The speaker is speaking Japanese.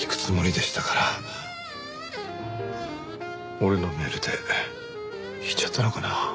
俺のメールで引いちゃったのかな？